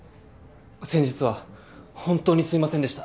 先日はホントにすいませんでした。